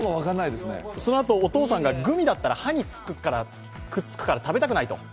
そのあと、お父さんがグミだったら歯にくっつくから食べたくないと。